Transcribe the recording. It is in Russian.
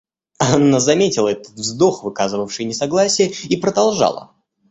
Анна заметила этот вздох, выказывавший несогласие, и продолжала.